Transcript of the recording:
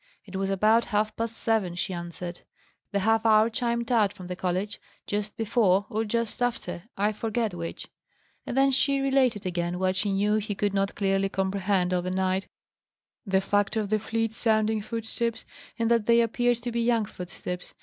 "It was about half past seven," she answered. "The half hour chimed out from the college, just before or just after, I forget which." And then she related again what she knew he could not clearly comprehend over night: the fact of the fleet sounding footsteps, and that they appeared to be young footsteps.